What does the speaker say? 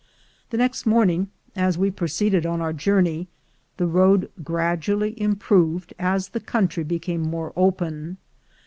The next morning, as we proceeded on our journey, the road gradually improved as the country became more open.